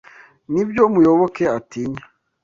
Nibyo Muyoboke atinya.